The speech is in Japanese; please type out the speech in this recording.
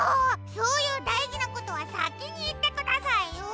そういうだいじなことはさきにいってくださいよ。